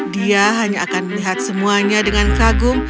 dia hanya akan melihat semuanya dengan kagum